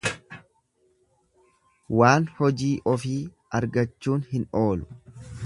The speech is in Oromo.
Waan hojii ofii argachuun hin oolu.